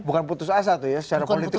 bukan putus asa tuh ya secara politik